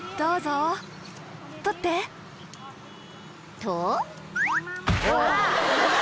［と］